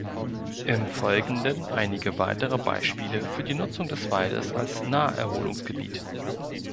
Im Folgenden einige weitere Beispiele für die Nutzung des Waldes als Naherholungsgebiet.